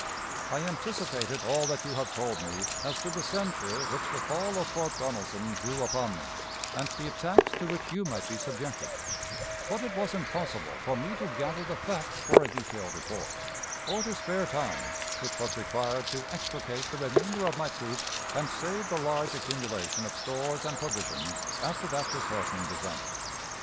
"I anticipated all that you have told me as to the censure which the fall of Fort Donelson drew upon me, and the attacks to which you might be subjected; but it was impossible for me to gather the facts for a detailed report, or to spare time which was required to extricate the remainder of my troops and save the large accumulation of stores and provisions after that disheartening disaster.